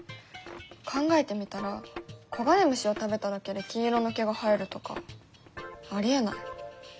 考えてみたら黄金虫を食べただけで金色の毛が生えるとかありえない。